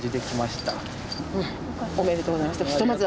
おめでとうございます。